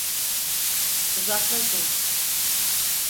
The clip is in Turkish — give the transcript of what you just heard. Uzaklaşın!